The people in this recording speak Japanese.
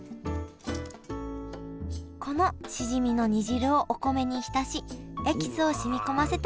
このしじみの煮汁をお米に浸しエキスを染み込ませておくのがポイント